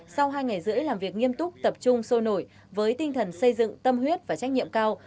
sau hai ngày rưỡi làm việc nghiêm túc tập trung sôi nổi với tinh thần xây dựng tâm huyết và trách nhiệm cao